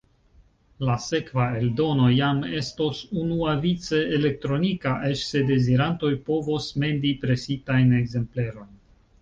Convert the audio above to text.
La sekva eldono jam estos unuavice elektronika, eĉ se dezirantoj povos mendi presitajn ekzemplerojn.